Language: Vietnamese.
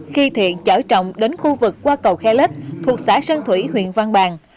khi thiện chở trọng đến khu vực qua cầu khe lết thuộc xã sơn thủy huyện văn bàn